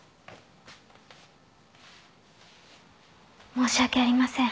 申し訳ありません。